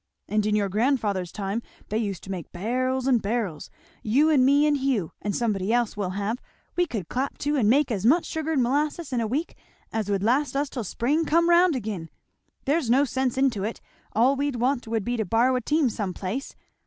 And in your grandfather's time they used to make barrels and barrels. You and me and Hugh, and somebody else we'll have, we could clap to and make as much sugar and molasses in a week as would last us till spring come round again. There's no sense into it! All we'd want would be to borrow a team some place.